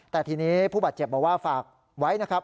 แต่ทีนี้ผู้บาดเจ็บบอกว่าฝากไว้นะครับ